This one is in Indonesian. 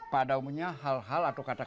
pak daum punya hal hal atau kata kolok